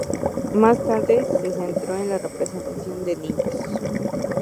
Más tarde se centró en la representación de niños.